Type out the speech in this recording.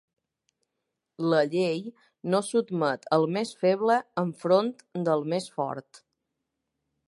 La llei no sotmet el més feble enfront del més fort.